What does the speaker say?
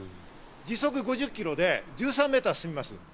時速５０キロで１３ｍ進みます。